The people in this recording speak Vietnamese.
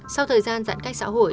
sau thời gian giãn cách xã hội